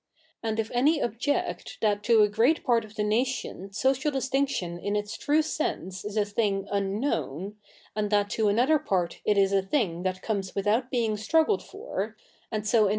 And if a7iy object that to a g7'eat pa7 t of the natio7i social disti7ictio7i H 2 ii6 THE NEW REPUBLIC [dk. hi /;/ its true sense is a thing unknown, a?id that to another part it is a thing that comes without being struggled for, and so in